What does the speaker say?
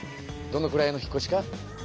どのくらいの引っこしか？